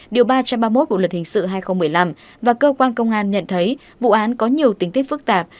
điều ba trăm ba mươi một bộ luật hình sự hai nghìn một mươi năm và cơ quan công an nhận thấy vụ án có nhiều tính tiết phức tạp